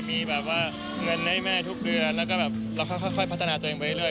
มีแบบว่าเงินให้แม่ทุกเดือนแล้วก็แบบเราค่อยพัฒนาตัวเองไปเรื่อย